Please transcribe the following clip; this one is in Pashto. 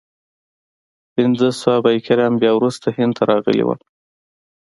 پنځه صحابه کرام بیا وروسته هند ته راغلي وو.